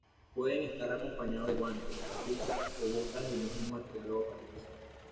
Pueden estar acompañados de guantes, capucha o botas del mismo material o apariencia.